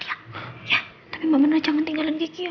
ya tapi mama jangan tinggalin gigi ya